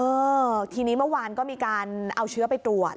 เออทีนี้เมื่อวานก็มีการเอาเชื้อไปตรวจ